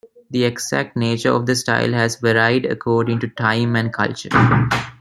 The exact nature of the style has varied according to time and culture.